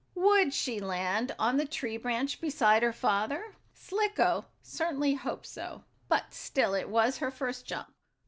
Would she land on the tree branch beside her father? Slicko certainly hoped so, but still it was her first jump.